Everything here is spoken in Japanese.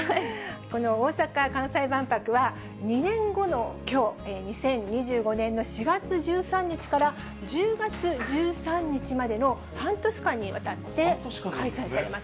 この大阪・関西万博は２年後のきょう、２０２５年の４月１３日から、１０月１３日までの半年間にわたって開催されます。